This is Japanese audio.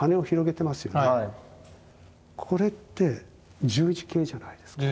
これって十字形じゃないですか。